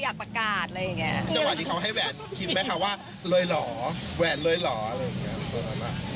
อยากประกาศอะไรแบบนี้